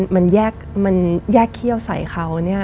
มันแยกเขี้ยวใส่เขา